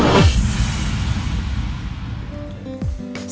aku mau ke rumah